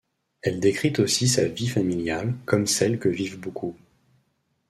Elle décrit aussi sa vie familiale, comme celle que vivent beaucoup.